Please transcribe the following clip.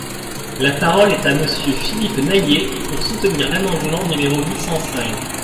La parole est à Monsieur Philippe Naillet, pour soutenir l’amendement numéro huit cent cinq.